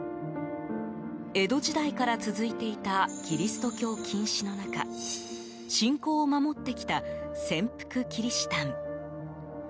江戸時代から続いていたキリスト教禁止の中信仰を守ってきた潜伏キリシタン。